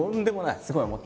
すごい思ってて。